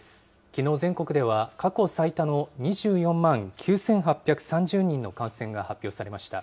きのう全国では過去最多の２４万９８３０人の感染が発表されました。